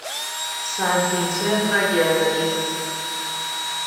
سنت وینسنت و گرنادین